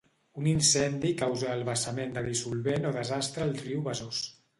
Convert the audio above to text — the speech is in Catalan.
Un incendi causà el vessament de dissolvent o desastre al riu Besós.